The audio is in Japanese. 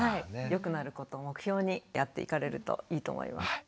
よくなることを目標にやっていかれるといいと思います。